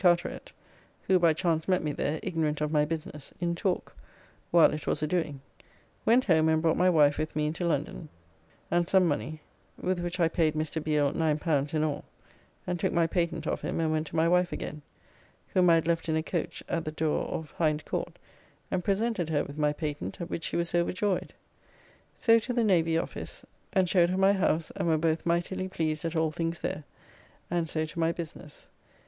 Carteret (who by chance met me there, ignorant of my business) in talk, while it was a doing. Went home and brought my wife with me into London, and some money, with which I paid Mr. Beale L9 in all, and took my patent of him and went to my wife again, whom I had left in a coach at the door of Hinde Court, and presented her with my patent at which she was overjoyed; so to the Navy office, and showed her my house, and were both mightily pleased at all things there, and so to my business.